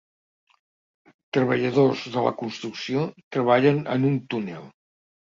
Treballadors de la construcció treballen en un túnel.